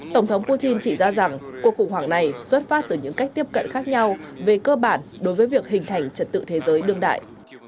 tổng thống putin chỉ ra rằng cuộc khủng hoảng này xuất phát từ những cách tiếp cận khác nhau về cơ bản đối với việc hình thành trật tự thế giới đương đại